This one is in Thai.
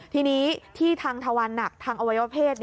ที่นี้ที่ทางทวันทางอวัยวะเภษ